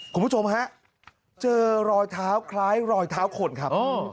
คุณผู้ชมฮะเจอรอยเท้าคล้ายรอยเท้าคนครับ